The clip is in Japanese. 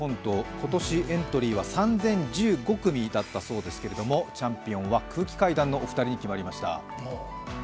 今年エントリーは３０１５組だったそうですけれども、チャンピオンは空気階段のお二人に決まりました。